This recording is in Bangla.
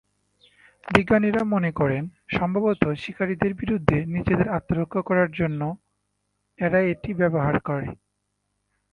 বিজ্ঞানীরা মনে করেন, সম্ভবত শিকারীদের বিরুদ্ধে নিজেদের আত্মরক্ষা করার জন্য এরা এটি ব্যবহার করে।